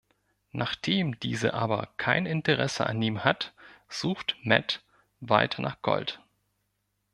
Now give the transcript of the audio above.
Nachdem diese aber kein Interesse an ihm hat, sucht Matt weiter nach Gold.